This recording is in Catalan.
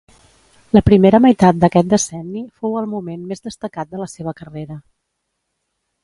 La primera meitat d'aquest decenni fou el moment més destacat de la seva carrera.